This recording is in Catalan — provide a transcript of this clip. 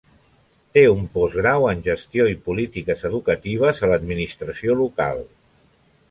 Té un postgrau en gestió i polítiques educatives a l'Administració local.